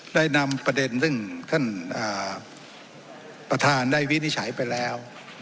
ได้นำประเด็นซึ่งท่านประธานได้วินิจฉัยไปแล้ว